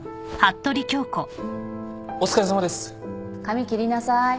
髪切りなさい。